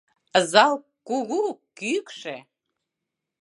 Зал кугу, кӱкшӧ.